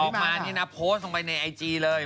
ออกมานี่นะโพสต์ลงไปในไอจีเลย